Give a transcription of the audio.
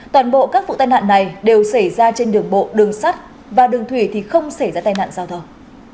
toàn bộ các vụ tai nạn này đều xảy ra trên đường bộ đường sắt và đường thủy thì không xảy ra tai nạn giao thông